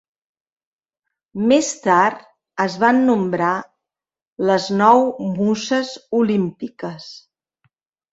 Més tard, es van nombrar les nou muses olímpiques.